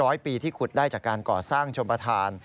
ร้อยปีที่ขุดได้จากการก่อสร้างชมประธาน